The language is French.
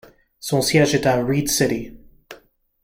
Son siège est à Reed City.